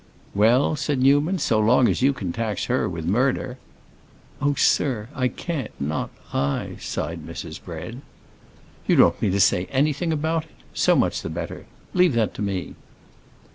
"Well," said Newman, "so long as you can tax her with murder—" "Oh, sir, I can't; not I," sighed Mrs. Bread. "You don't mean to say anything about it? So much the better. Leave that to me."